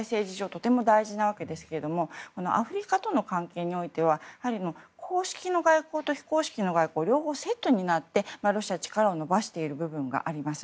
とても大事なわけですがアフリカとの関係においては公式の外交と非公式の外交両方、セットになってロシアは力を伸ばしている部分があります。